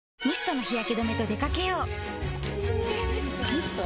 ミスト？